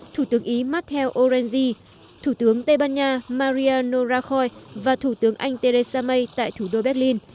thủ tướng ý matteo orenzi thủ tướng tây ban nha maria norakhoi và thủ tướng anh theresa may tại thủ đô berlin